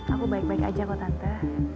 aku baik baik aja kok tante